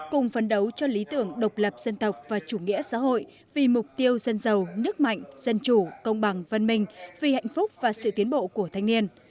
cùng phấn đấu cho lý tưởng độc lập dân tộc và chủ nghĩa xã hội vì mục tiêu dân giàu nước mạnh dân chủ công bằng văn minh vì hạnh phúc và sự tiến bộ của thanh niên